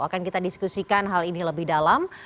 akan kita diskusikan hal ini lebih dalam